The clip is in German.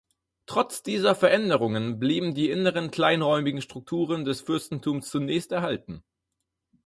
Trotz dieser Veränderungen blieben die inneren kleinräumigen Strukturen des Fürstentums zunächst erhalten.